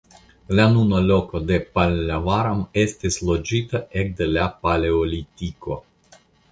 La nuna loko de Pallavaram estis loĝita ekde la paleolitiko.